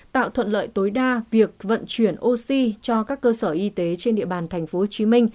tạo thuận lợi tối đa việc vận chuyển oxy cho các cơ sở y tế trên địa bàn tp hcm